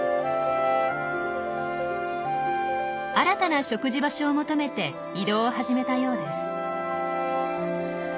新たな食事場所を求めて移動を始めたようです。